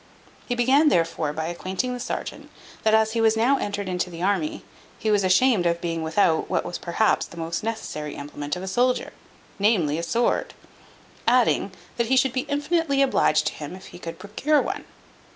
He began therefore by acquainting the serjeant, that as he was now entered into the army, he was ashamed of being without what was perhaps the most necessary implement of a soldier; namely, a sword; adding, that he should be infinitely obliged to him, if he could procure one.